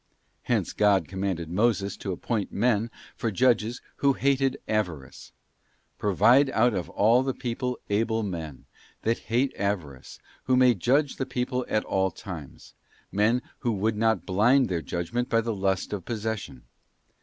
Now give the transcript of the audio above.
Hence God commanded Moses to appoint men for judges who hated avarice: ' Provide out of all the people able men .... that hate avarice, who may judge the people at all times, { men who would not blind their judgment by the lust of possession.